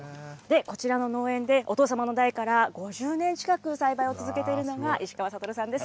こちらの農園でお父様の代から５０年近く栽培を続けているのが、石川悟さんです。